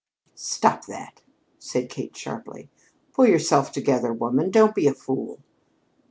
"Stop that!" said Kate, sharply. "Pull yourself together, woman. Don't be a fool."